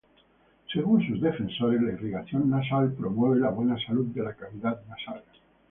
Según sus defensores, la irrigación nasal promueve la buena salud de la cavidad nasal.